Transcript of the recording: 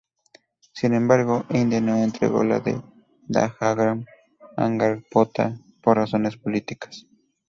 Sin embargo, India no entregó la de Dahagram–Angarpota por razones políticas.